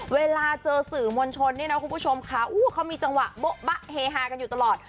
เวลาเจอสื่อมวลชนเนี่ยนะคุณผู้ชมค่ะเขามีจังหวะโบ๊ะบะเฮฮากันอยู่ตลอด